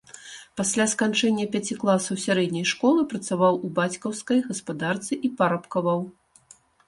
Пасля сканчэння пяці класаў сярэдняй школы працаваў у бацькаўскай гаспадарцы і парабкаваў.